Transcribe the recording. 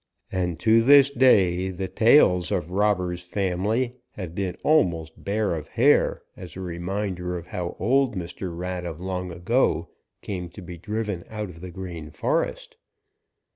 And to this day the tails of Robber's family have been almost bare of hair as a reminder of how old Mr. Rat of long ago came to be driven out of the Green Forest.